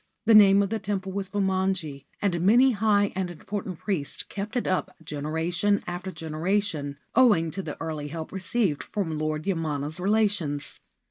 The name of the temple was Fumonji, and many high and important priests kept it up generation after generation, owing to the early help received from Lord Yamana's relations.